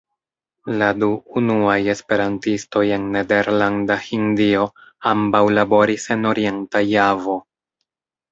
La du unuaj esperantistoj en Nederlanda Hindio ambaŭ laboris en Orienta Javo.